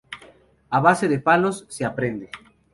A base de palos, se aprende